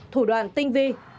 một thủ đoạn tinh vi